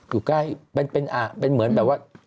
อยู่ใกล้เป็นเหมือนแบบว่า